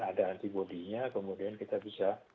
ada antibody nya kemudian kita bisa